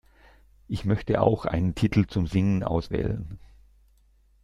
Ich möchte auch einen Titel zum Singen auswählen.